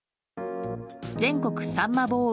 全国さんま棒受